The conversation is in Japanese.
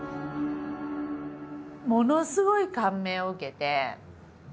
ものすごい感銘を受けて。